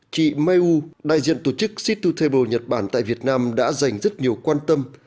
chị mai u đại diện tổ chức c hai table nhật bản tại việt nam đã dành rất nhiều quan tâm